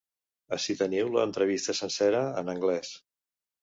Ací teniu l’entrevista sencera, en anglès.